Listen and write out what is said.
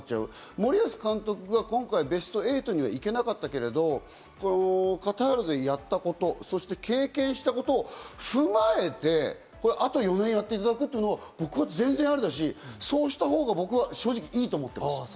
森保監督が今回ベスト８まで行けなかったけど、カタールでやったこと、そして経験したことを踏まえて、あと４年やっていただくというのは、僕は全然ありだし、そうしたほうが僕は正直いいと思ってます。